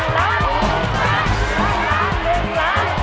มาก